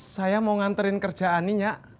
saya mau nganterin kerja ani nyak